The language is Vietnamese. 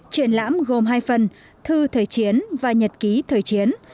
triển lãm gồm hai phần thư thời chiến và nhật ký thời chiến